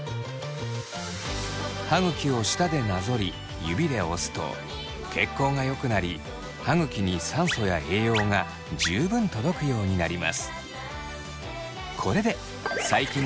歯ぐきを舌でなぞり指で押すと血行が良くなり歯ぐきに酸素や栄養が十分届くようになります。